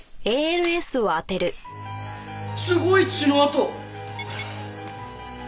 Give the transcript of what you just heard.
すごい血の跡！